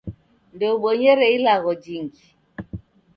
Ndoubonyere ilagho jingi.